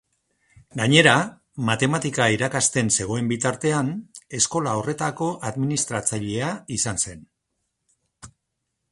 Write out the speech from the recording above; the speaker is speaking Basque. Gainera, matematika irakasten zegoen bitartean, eskola horretako administratzailea izan zen.